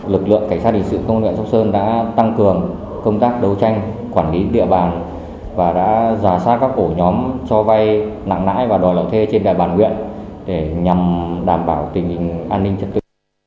lực lượng cảnh sát hình sự công an huyện sóc sơn đã tăng cường công tác đấu tranh quản lý địa bàn và đã giả soát các ổ nhóm cho vay nặng lãi và đòi nợ thuê trên địa bàn huyện để nhằm đảm bảo tình hình an ninh trật tự